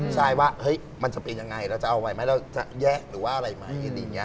ใช่ว่ามันจะเป็นยังไงเราจะเอาไว้ไหมจะแยะหรือว่าอะไรไหม